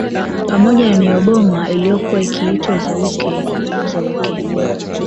Pamoja na Nyboma iliyokuwa ikiitwa Zouke Zouke